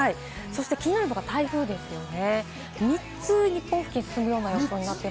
そして気になるのは台風ですよね。